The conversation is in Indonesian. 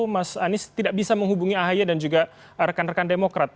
mas anies tidak bisa menghubungi ahy dan juga rekan rekan demokrat